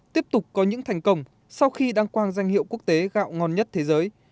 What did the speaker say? tiếp tục có những thành công sau khi đăng quang danh hiệu quốc tế gạo ngon nhất thế giới